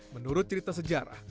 menurut cerita sejarah